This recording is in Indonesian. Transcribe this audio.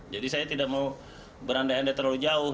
jadi saya tidak mau berandai andai terlalu jauh